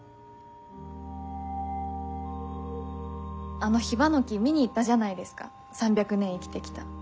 あのヒバの木見に行ったじゃないですか３００年生きてきた。